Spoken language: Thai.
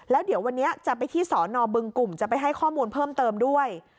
แล้วเดี๋ยววันนี้จะไปที่สอนอบึงกลุ่มจะไปให้ข้อมูลเพิ่มเติมด้วย